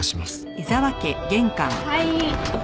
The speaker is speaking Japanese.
はい。